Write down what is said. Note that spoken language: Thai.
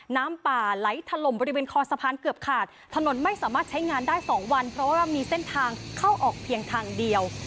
น้ำป่าไหลถล่มบริเวณคอสะพานเกือบขาดถนนไม่สามารถใช้งานได้สองวันเพราะว่ามีเส้นทางเข้าออกเพียงทางเดียว